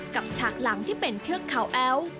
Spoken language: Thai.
ฉากหลังที่เป็นเทือกเขาแอ้ว